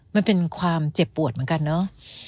มันเป็นความเจ็บปวดเหมือนกันเนอะ